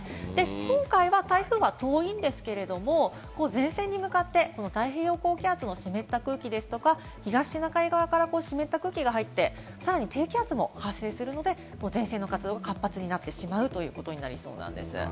今回は台風は遠いんですけれども、前線に向かって太平洋高気圧の湿った空気ですとか、東シナ海から湿った空気が入って低気圧も発生するので、前線の活動が活発になってしまいそうです。